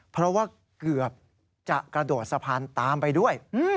เพราะว่าเกือบจะกระโดดสะพานตามไปด้วย